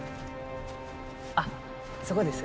あっそこです。